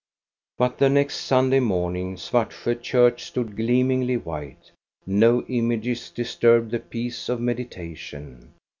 But the next Sunday morning Svartsjo church stood gleamingly white. No images disturbed the peace of meditation.